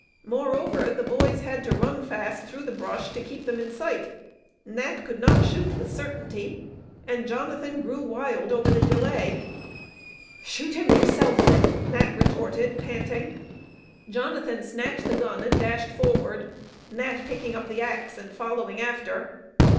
Moreover, the boys had to run fast through the brush to keep them in sight. Nat could not shoot with certainty, and Jonathan grew wild over the delay. "Shoot him yourself, then!" Nat retorted, panting. Jonathan snatched the gun and dashed forward, Nat picking up the axe and following after.